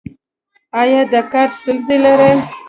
ایا د کار ستونزې لرئ؟